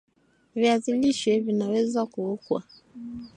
Viazi lishe vinaweza kuokwa